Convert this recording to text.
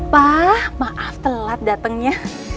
pak maaf telat datangnya